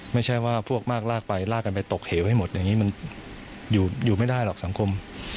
ไม่ใช่ว่าพวกมากลากไปลากกันไปตกเหวให้หมดอย่างนี้มันอยู่ไม่ได้หรอกสังคม